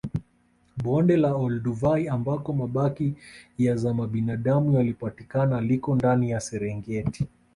Bonde la Olduvai ambako mabaki ya zamadamu yalipatikana liko ndani ya Serengeti